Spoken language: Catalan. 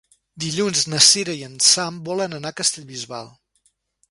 Dilluns na Cira i en Sam volen anar a Castellbisbal.